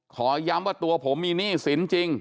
ขอย้ำว่าตัวผมมีหนี้สินจริง